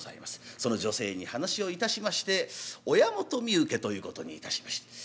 その女性に話をいたしまして親元身請けということにいたしました。